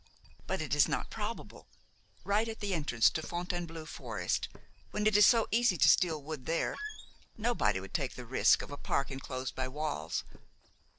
But it is not probable; right at the entrance to Fontainebleau forest, when it is so easy to steal wood there, nobody would take the risk of a park enclosed by walls.